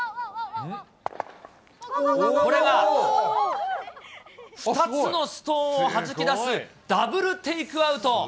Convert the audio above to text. これが２つのストーンをはじき出す、ダブルテイクアウト。